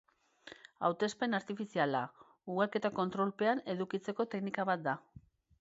Hautespen artifiziala, ugalketa kontrolpean edukitzeko teknika bat da.